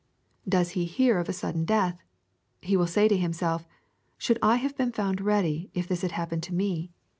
Does he hear of a sudden death ? He will. say to himself, "Should I have been found ready, ii this had happened to me